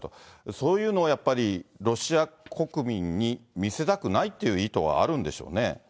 そういうのをやっぱり、ロシア国民に見せたくないっていう意図があるんでしょうね。